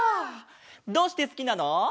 どうしてすきなの？